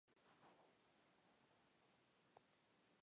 En general su plumaje es gris, pardo grisáceo o castaño rojizo.